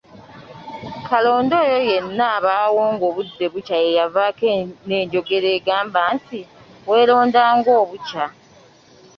Kalonda oyo yenna abaawo ng’obudde bukya yeeyavaako n’enjogera egamba nti, “weeronda ng’obukya!